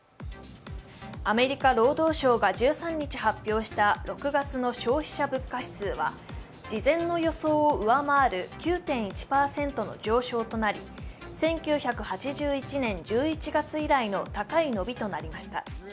アメリカ労働省が１３日発表した６月の消費者物価指数は事前の予想を上回る９．１％の上昇となり、１９８１年１１月以来の高い伸びとなりました。